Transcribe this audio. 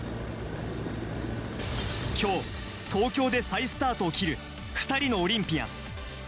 今日、東京で再スタートを切る２人のオリンピアン。